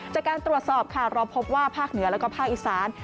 จากการตรวจสอบค่ะเราพบว่าภาคเหนือแล้วก็ภาคอีสาน